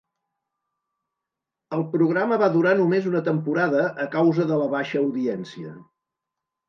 El programa va durar només una temporada a causa de la baixa audiència.